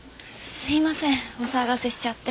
すいませんお騒がせしちゃって。